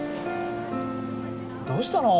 どうしたの？